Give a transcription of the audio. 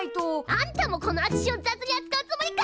あんたもこのあちしを雑にあつかうつもりか！？